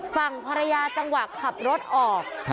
ฝั่งภรรยาจังหวะขับรถออก